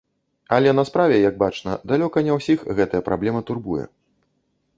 Але на справе, як бачна, далёка не ўсіх гэтая праблема турбуе.